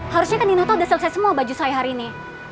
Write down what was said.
harusnya kan di nato sudah selesai semua baju saya hari ini